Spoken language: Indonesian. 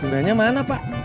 bebannya mana pak